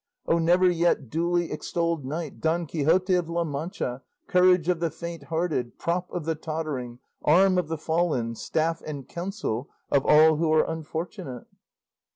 O never yet duly extolled knight, Don Quixote of La Mancha, courage of the faint hearted, prop of the tottering, arm of the fallen, staff and counsel of all who are unfortunate!"